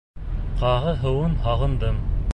— Ҡағы һыуын һағындым.